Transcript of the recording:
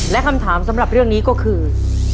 และคำถามสำหรับเรื่องนี้ก็คือ